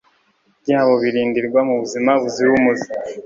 byabo birindirwa mu buzima buzira umuze